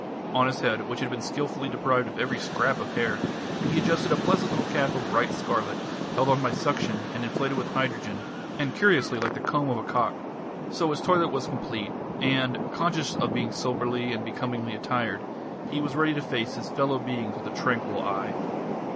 On his head, which had been skilfully deprived of every scrap of hair, he adjusted a pleasant little cap of bright scarlet, held on by suction and inflated with hydrogen, and curiously like the comb of a cock. So his toilet was complete; and, conscious of being soberly and becomingly attired, he was ready to face his fellow beings with a tranquil eye.